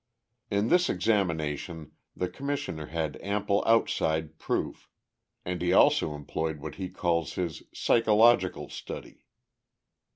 In this examination the Commissioner had ample outside proof, and he also employed what he calls his "psychological study."